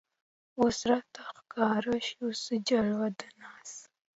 اوس راته ښکاره شوه څه جلوه د ناز